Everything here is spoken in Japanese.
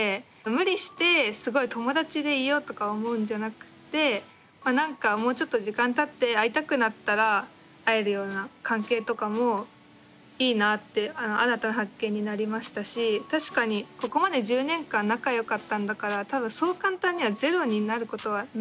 無理してすごい友達でいようとか思うんじゃなくてなんかもうちょっと時間たって会いたくなったら会えるような関係とかもいいなって新たな発見になりましたし確かにここまで１０年間仲よかったんだから多分そう簡単にはゼロになることはないと思うんですよ。